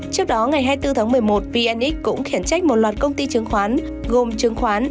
trước đó ngày hai mươi bốn tháng một mươi một vnx cũng khiển trách một loạt công ty chứng khoán gồm trương khoán